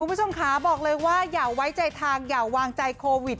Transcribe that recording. คุณผู้ชมค่ะบอกเลยว่าอย่าไว้ใจทางอย่าวางใจโควิด